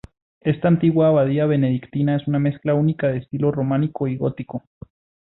Esta antigua abadía benedictina es una mezcla única de estilo románico y gótico.